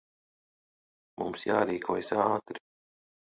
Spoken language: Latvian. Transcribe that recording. Mums jārīkojas ātri.